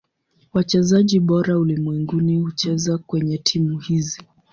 Wachezaji bora ulimwenguni hucheza kwenye timu hizi.